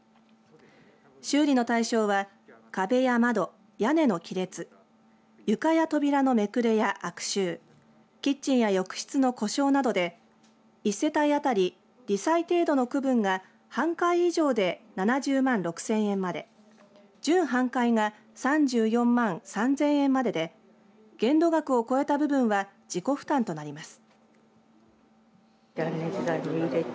修理の対象は壁や窓屋根の亀裂床や扉のめくれや悪臭キッチンや浴室の故障などで１世帯当たりり災程度の区分が半壊以上で７０万６０００円まで準半壊が３４万３０００円までで限度額を超えた部分は自己負担となります。